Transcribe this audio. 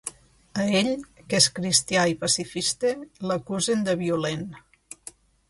A ell, que és cristià i pacifista, l’acusen de violent.